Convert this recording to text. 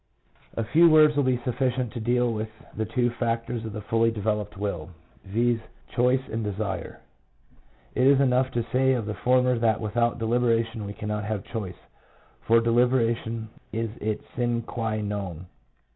A few words will be sufficient to deal with two other factors of the fully developed will — viz., choice and desire. It is enough to say of the former that without deliberation we cannot have choice, for de liberation is its sine qua non.